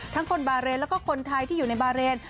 คนบาเรนแล้วก็คนไทยที่อยู่ในบาเรน